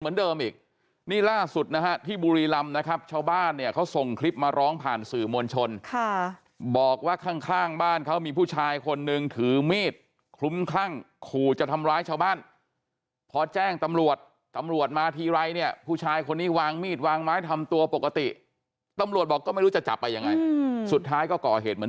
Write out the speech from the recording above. เหมือนเดิมอีกนี่ล่าสุดนะฮะที่บุรีรำนะครับชาวบ้านเนี่ยเขาส่งคลิปมาร้องผ่านสื่อมวลชนค่ะบอกว่าข้างข้างบ้านเขามีผู้ชายคนนึงถือมีดคลุ้มคลั่งขู่จะทำร้ายชาวบ้านพอแจ้งตำรวจตำรวจมาทีไรเนี่ยผู้ชายคนนี้วางมีดวางไม้ทำตัวปกติตำรวจบอกก็ไม่รู้จะจับไปยังไงสุดท้ายก็ก่อเหตุเหมือน